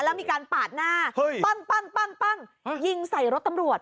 แล้วมีการปาดหน้าปั้งยิงใส่รถตำรวจ